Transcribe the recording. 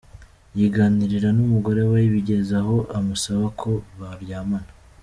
Yiganirira n’umugore we, bigeza aho amusaba ko baryamana.